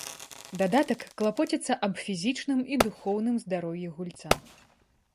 Дадатак клапоціцца аб фізічным і духоўным здароўі гульца.